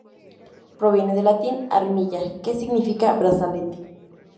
Proviene del latín "armilla", que significa brazalete.